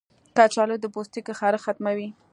کچالو د پوستکي خارښ ختموي.